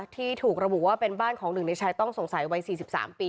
ที่ถูกระบุว่าเป็นบ้านของหนึ่งในชายต้องสงสัยวัย๔๓ปี